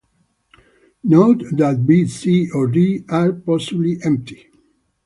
Note, that "B", "C" or "D" are possibly empty.